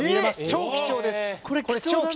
超貴重です！